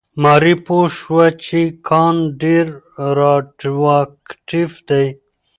ماري پوه شوه چې کان ډېر راډیواکټیف دی.